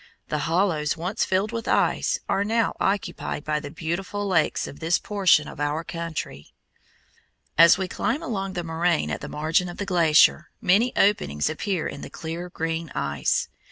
The hollows once filled with ice are now occupied by the beautiful lakes of this portion of our country. As we climb along the moraine at the margin of the glacier, many openings appear in the clear green ice.